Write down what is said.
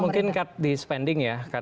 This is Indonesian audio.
mungkin cut di spending ya